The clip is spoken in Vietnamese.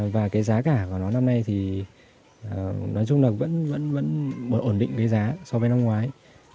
và cái giá cả của nó năm nay thì nói chung là vẫn ổn định cái giá so với năm ngoái